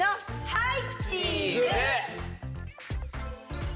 はい！